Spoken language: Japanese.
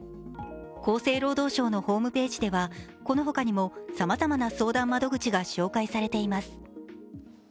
厚生労働省のホームページではこの他にもさまざまな相談窓口が紹介されています。